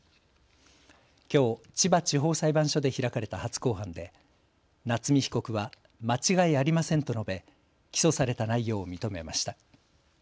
きょう千葉地方裁判所で開かれた初公判で夏見被告は間違いありませんと述べ起訴された内容を認めました。